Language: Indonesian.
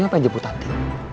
ngapain jemput nanti